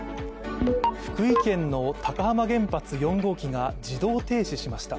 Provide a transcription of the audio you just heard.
福井県の高浜原発４号機が自動停止しました。